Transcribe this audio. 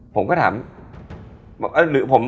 ผมก็ถาม